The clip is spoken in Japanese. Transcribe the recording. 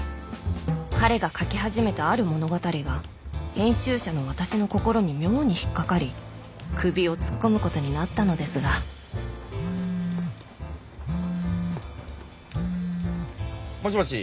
彼が書き始めたある物語が編集者の私の心に妙に引っ掛かり首を突っ込むことになったのですがもしもし。